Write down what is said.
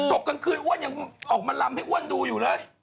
กลางคืนอ้วนยังออกมาลำให้อ้วนดูอยู่เลย